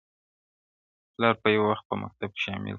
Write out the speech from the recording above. پلار په یو وخت په مکتب کي شامل کړله,